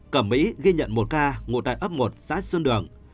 cẩm mỹ ghi nhận một ca ngụ tại ấp một xã xuân đường